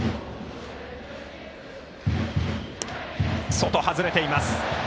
外、外れています。